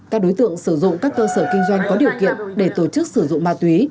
các đối tượng sử dụng các cơ sở kinh doanh có điều kiện để tổ chức sử dụng ma túy